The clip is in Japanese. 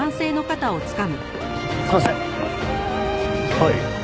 はい。